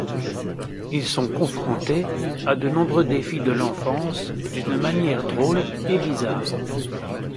Ils sont confrontés à de nombreux défis de l'enfance d'une manière drôle et bizarre.